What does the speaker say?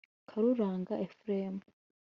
Karuranga Ephrem